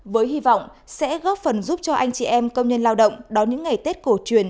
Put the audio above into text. với hy vọng sẽ góp phần giúp cho anh chị em công nhân lao động đón những ngày tết cổ truyền